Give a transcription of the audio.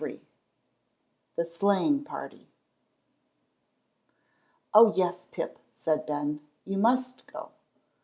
XXIII THE SLEIGHING PARTY "Oh, yes, Pip," said Ben, "you must go."